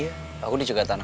iya aku dijegat sama dia